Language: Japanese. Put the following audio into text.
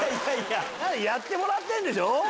やってもらってんでしょ？